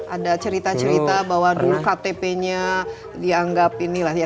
ada cerita cerita bahwa dulu ktp nya dianggap ini lah ya